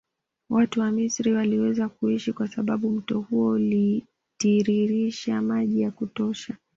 Watu wa Misri waliweza kuishi kwa sababu mto huo ulitiiririsha maji ya kutosha